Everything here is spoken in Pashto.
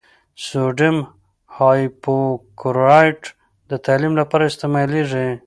سوډیم هایپوکلورایټ د تعقیم لپاره استعمالیږي.